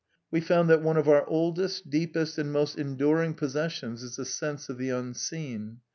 We found that one of our oldest, deepest, and most enduring possessions is the sense of the Unseen.